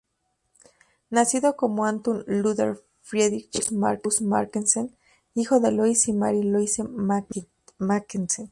Nacido como Anton Ludwig Friedrich August Mackensen, hijo de Louis y Marie Louise Mackensen.